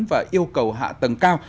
và yêu cầu hạ tầng cao